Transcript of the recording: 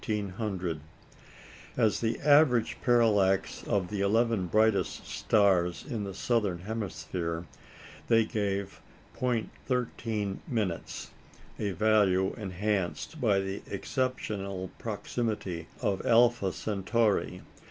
As the average parallax of the eleven brightest stars in the southern hemisphere, they gave 0·13", a value enhanced by the exceptional proximity of Alpha Centauri.